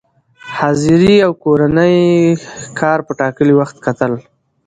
حاضري او کورني کار په ټاکلي وخت کتل،